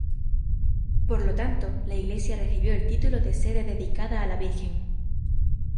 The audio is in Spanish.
Por lo tanto, la iglesia recibió el título de sede dedicada a la Virgen.